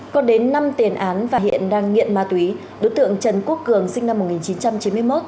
có đến năm tiền án và hiện đang nghiện ma túy đối tượng trần quốc cường sinh năm một nghìn chín trăm chín mươi một